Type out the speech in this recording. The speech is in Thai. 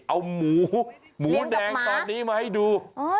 เอาหมูหมูแดงตอนนี้มาให้ดู